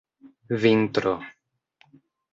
vintro